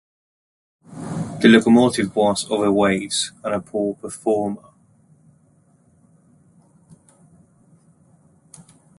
The locomotive was overweight and a poor performer.